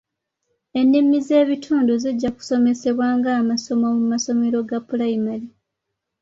Ennimi ez'ebitundu zijja kusomesebwa nga amasomo mu masomero ga pulayimale.